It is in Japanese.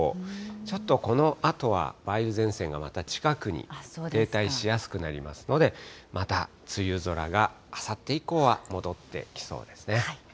ちょっとこのあとは梅雨前線がまた近くに停滞しやすくなりますので、また梅雨空があさって以降は戻ってきそうですね。